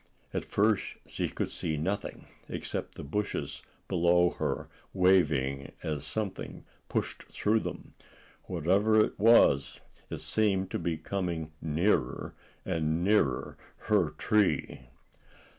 At first she could see nothing, except the bushes below her waving as something pushed through them. Whatever it was, it seemed to be coming nearer and nearer her tree.